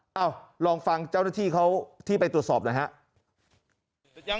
เอ้าลองฟังเจ้าหน้าที่เขาที่ไปตรวจสอบหน่อยครับ